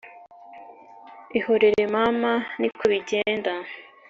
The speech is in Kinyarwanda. ihorere mama niko bigenda